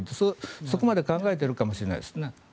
そこまで考えているかもしれないですね。